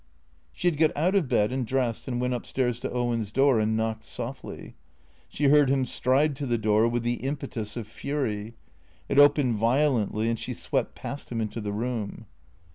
She had got out of bed and dressed and went up stairs to Owen's door, and knocked softly. She heard liim stride to the door with the impetus of fury; it opened violently, and she swept past him into the room.